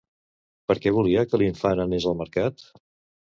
Per què volia que l'infant anés al mercat?